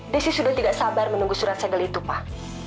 desi sudah tidak sabar menunggu surat segel itu pak